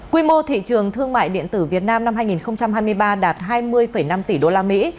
quy mô thị trường thương mại điện tử việt nam năm hai nghìn hai mươi ba đạt hai mươi năm tỷ đô la mỹ